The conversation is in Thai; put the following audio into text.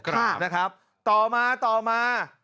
ครับนะครับต่อมาต่อมา